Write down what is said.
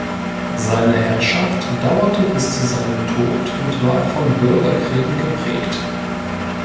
Seine Herrschaft dauerte bis zu seinem Tod und war von Bürgerkriegen geprägt.